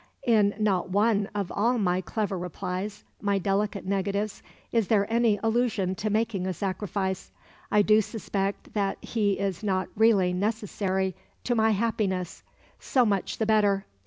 'In not one of all my clever replies, my delicate negatives, is there any allusion to making a sacrifice. I do suspect that he is not really necessary to my happiness. So much the better.